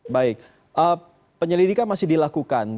baik penyelidikan masih dilakukan